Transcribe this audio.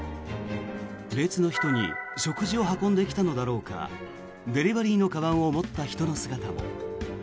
列の人に食事を運んできたのだろうかデリバリーのかばんを持った人の姿も。